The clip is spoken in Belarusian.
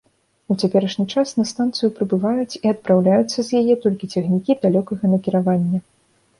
У цяперашні час на станцыю прыбываюць і адпраўляюцца з яе толькі цягнікі далёкага накіравання.